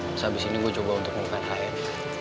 terus abis ini gue coba untuk mengungkat hf